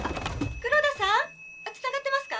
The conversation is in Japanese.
黒田さんつながってますか？